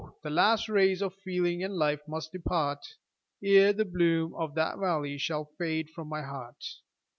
the last rays of feeling and life must depart, Ere the bloom of that valley shall fade from my heart.